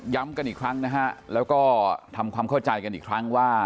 กันอีกครั้งนะฮะแล้วก็ทำความเข้าใจกันอีกครั้งว่า